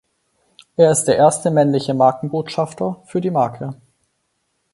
Er ist der erste männliche Markenbotschafter für die Marke.